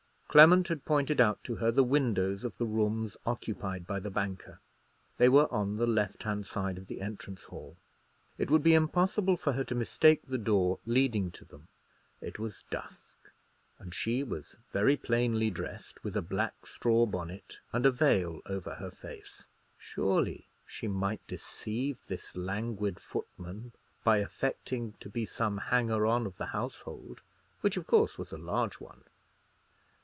Clement had pointed out to her the windows of the rooms occupied by the banker. They were on the left hand side of the entrance hall. It would be impossible for her to mistake the door leading to them. It was dusk, and she was very plainly dressed, with a black straw bonnet, and a veil over her face. Surely she might deceive this languid footman by affecting to be some hanger on of the household, which of course was a large one.